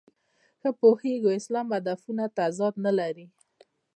ښه پوهېږو اسلام هدفونو تضاد نه لري.